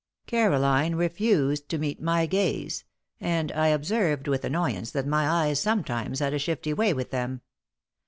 Caroline refused to meet my gaze, and I observed with annoyance that my eyes sometimes had a shifty way with them.